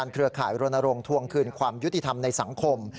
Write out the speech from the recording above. เครือข่ายรณรงค์ทวงคืนความยุติธรรมในสังคม